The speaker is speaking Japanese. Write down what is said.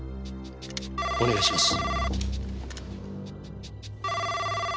お願いします。